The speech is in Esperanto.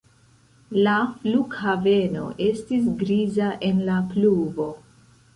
La flughaveno estis griza en la pluvo.